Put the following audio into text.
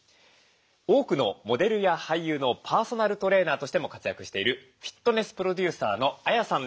多くのモデルや俳優のパーソナルトレーナーとしても活躍しているフィットネスプロデューサーのＡＹＡさんです。